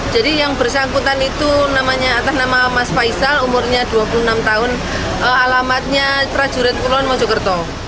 jadi yang bersangkutan itu atas nama mas faisal umurnya dua puluh enam tahun alamatnya prajurit kulon mojokerto